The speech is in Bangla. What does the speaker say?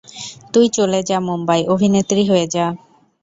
তুই চলে যা মুম্বাই, অভিনেত্রী হয়ে যা।